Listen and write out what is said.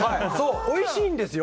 おいしいんですよ